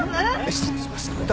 失礼します。